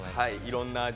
いろんな味